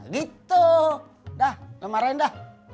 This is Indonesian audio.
gitu udah udah marahin dah